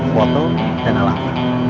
foto dan alamat